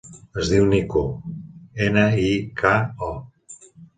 Es diu Niko: ena, i, ca, o.